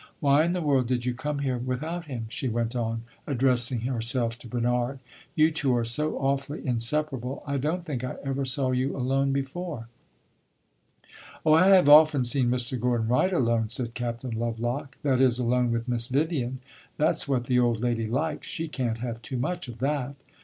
Why in the world did you come here without him?" she went on, addressing herself to Bernard. "You two are so awfully inseparable. I don't think I ever saw you alone before." "Oh, I have often seen Mr. Gordon Wright alone," said Captain Lovelock "that is, alone with Miss Vivian. That 's what the old lady likes; she can't have too much of that."